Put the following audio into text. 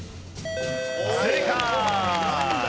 正解。